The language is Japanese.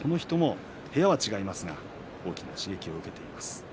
部屋は違いますが大きな刺激を受けています。